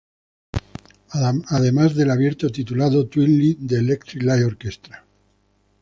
Además del opening titulado Twilight de Electric Light Orchestra